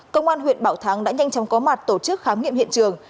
công an huyện bảo thắng đã nhanh chóng có mặt tổ chức khám nghiệm hiện trường